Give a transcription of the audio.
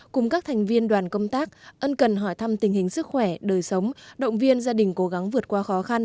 cùng các thành viên đoàn công tác ân cần hỏi thăm tình hình sức khỏe đời sống động viên gia đình cố gắng vượt qua khó khăn